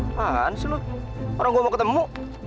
apaan sih lo orang gue mau ketemu